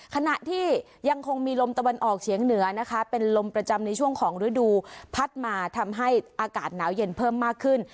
ขณะที่ยังคงมีลมตะวันออกเฉียงเหนือนะคะเป็นลมประจำในช่วงของฤดูพัดมาทำให้อากาศหนาวเย็นเพิ่มมากขึ้น